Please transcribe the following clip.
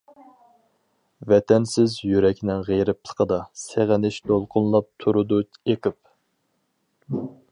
ۋەتەنسىز يۈرەكنىڭ غېرىبلىقىدا، سېغىنىش دولقۇنلاپ تۇرىدۇ ئېقىپ.